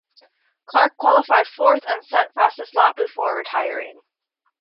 Clark qualified fourth, and set fastest lap before retiring.